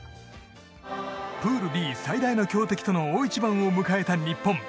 プールＤ最大の強敵との大一番を迎えた日本。